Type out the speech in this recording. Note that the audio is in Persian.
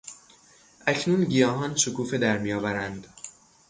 اکنون گیاهان شکوفه درمیآورند.